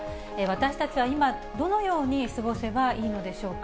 私たちは今、どのように過ごせばいいのでしょうか。